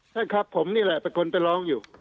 ใช่ครับผมนี่แหละเป็นคนไปร้องอยู่